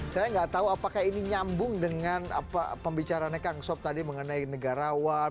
saya gak tau apakah ini nyambung dengan pembicaraannya kang sob tadi mengenai negarawan